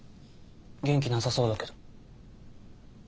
元気なさそうだけど。